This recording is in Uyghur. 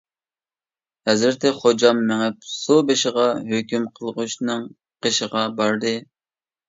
ھەزرىتى خوجام مېڭىپ سۇ بېشىغا، ھۆكۈم قىلغۇچىنىڭ قېشىغا باردى.